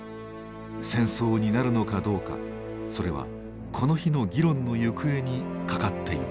戦争になるのかどうかそれはこの日の議論の行方にかかっていました。